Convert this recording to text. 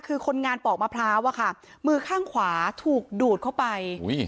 คือคนงานปอกมะพร้าวอะค่ะมือข้างขวาถูกดูดเข้าไป